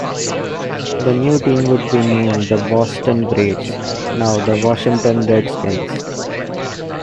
The new team would be named the Boston Braves, now the Washington Redskins.